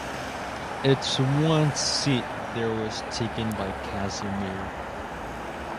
Its one seat there was taken by Cazimir.